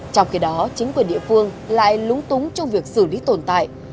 trong khi đó chính quyền địa phương lại lúng túng trong việc xử lý tồn tại